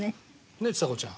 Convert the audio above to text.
ねえちさ子ちゃん。